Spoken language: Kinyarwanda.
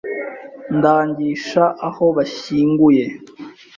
Ndangisha aho bashyinguye